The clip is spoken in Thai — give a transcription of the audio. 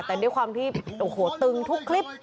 แต่ด้วยความที่ตึงทุกคลิป